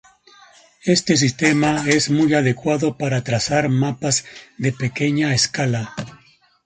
Este sistema es muy adecuado para trazar mapas de pequeña escala.